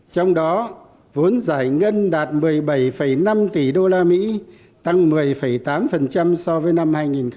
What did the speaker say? trong đó vốn giải ngân đạt một mươi bảy năm tỷ usd tăng một mươi tám so với năm hai nghìn một mươi bảy